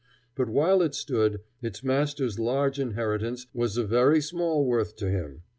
But while it stood, its master's large inheritance was of very small worth to him.